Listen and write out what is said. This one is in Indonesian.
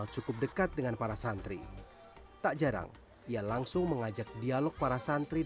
dua juta setahun dapat